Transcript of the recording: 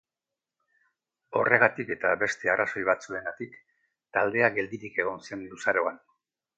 Horregatik eta beste arrazoi batzuengatik, taldea geldirik egon zen luzaroan.